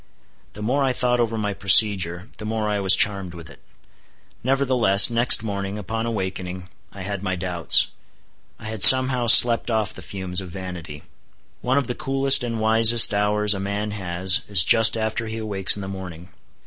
The more I thought over my procedure, the more I was charmed with it. Nevertheless, next morning, upon awakening, I had my doubts,—I had somehow slept off the fumes of vanity. One of the coolest and wisest hours a man has, is just after he awakes in the morning.